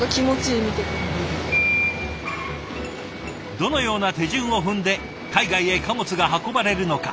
どのような手順を踏んで海外へ貨物が運ばれるのか。